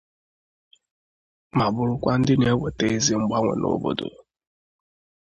ma bụrụkwa ndị na-ewèta ezi mgbanwe n'obodo